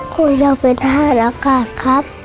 ครูอยากเป็นทหารอากาศครับ